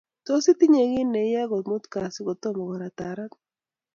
Tos, Itinye kit neiyoe komut kasi kotom koratarat?